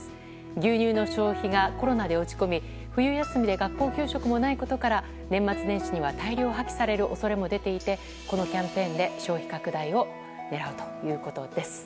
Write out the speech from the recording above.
牛乳の消費がコロナで落ち込み冬休みで学校給食もないことから年末年始には大量破棄される恐れも出ていてこのキャンペーンで消費拡大を狙うということです。